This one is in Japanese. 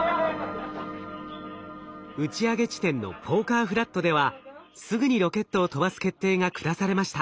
打ち上げ地点のポーカーフラットではすぐにロケットを飛ばす決定が下されました。